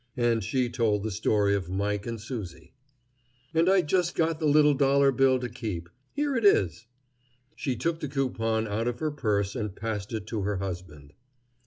And she told the story of Mike and Susie. "And I just got the little dollar bill to keep. Here it is." She took the coupon out of her purse and passed it to her husband.